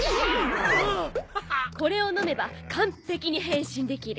これを飲めば完璧に変身できる。